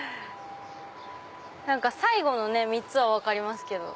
最後の３つは分かりますけど。